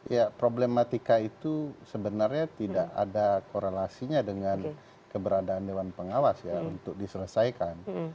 ya problematika itu sebenarnya tidak ada korelasinya dengan keberadaan dewan pengawas ya untuk diselesaikan